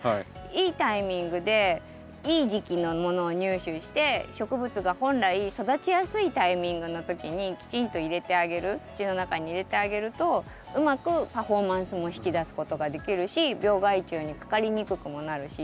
いいタイミングでいい時期のものを入手して植物が本来育ちやすいタイミングの時にきちんと入れてあげる土の中に入れてあげるとうまくパフォーマンスも引き出すことができるし病害虫にかかりにくくもなるし。